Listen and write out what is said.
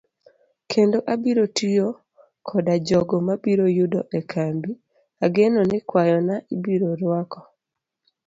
Kendo abiro tiyo koda jogo mabiro yudo e kambi ageno ni kwayona ibiro rwako.